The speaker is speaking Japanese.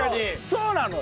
そうなのよ。